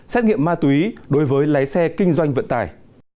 xét nghiệm ma túy đối với lái xe kinh doanh vận tải